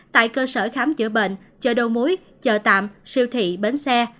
tại cơ sở khám chữa bệnh chợ đầu mối chợ tạm siêu thị bến xe